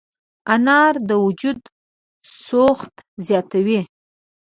انار د وجود سوخت زیاتوي.